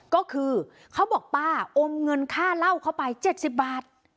ก็คือเขาบอกป้าอมเงินค่าเหล้าเข้าไป๗๐บาท